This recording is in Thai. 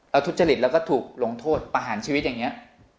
ทุจริตแล้วก็ถูกลงโทษประหารชีวิตอย่างนี้